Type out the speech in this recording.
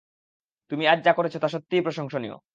তুমি আজ যা করেছ তা সত্যিই প্রশংসনীয়।